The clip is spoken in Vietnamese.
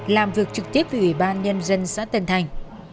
làm việc trực tiếp với ủy ban nhân dân xã tân thành